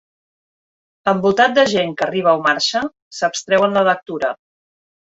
Envoltat de gent que arriba o marxa, s'abstreu en la lectura.